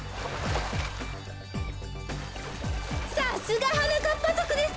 さすがはなかっぱぞくです。